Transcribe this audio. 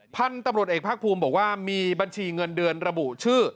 พันธุ์ตำรวจเอกภาคภูมิบอกว่ามีบัญชีเงินเดือนระบุชื่อ